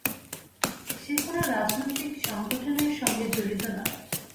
সে কোনো রাজনৈতিক সংগঠনের সঙ্গে জড়িত নয়।